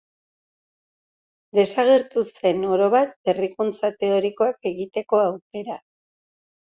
Desagertu zen orobat berrikuntza teorikoak egiteko aukera.